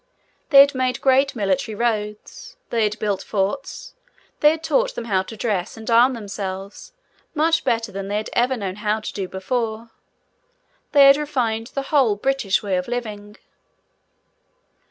They had made great military roads; they had built forts; they had taught them how to dress, and arm themselves, much better than they had ever known how to do before; they had refined the whole British way of living.